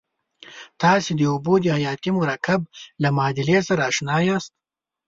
تاسې د اوبو د حیاتي مرکب له معادلې سره آشنا یاست.